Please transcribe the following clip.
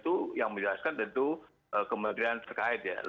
itu yang menjelaskan tentu kementerian terkait ya